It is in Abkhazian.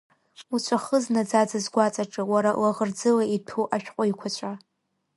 Уҵәахыз наӡаӡа сгәаҵаҿы уара лаӷырӡыла иҭәу ашәҟәеиқәаҵәа.